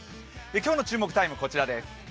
今日の注目タイムはこちらです。